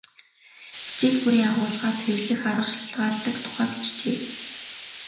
Хичээл бүрийн агуулгаас хэрэглэх арга шалтгаалдаг тухай бичжээ.